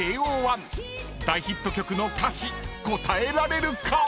［大ヒット曲の歌詞答えられるか⁉］